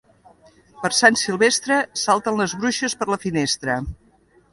Per Sant Silvestre salten les bruixes per la finestra.